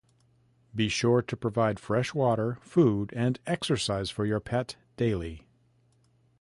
Be sure to provide fresh water, food, and exercise for your pet daily.